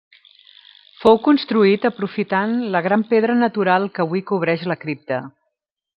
Fou construït aprofitant la gran pedra natural que avui cobreix la cripta.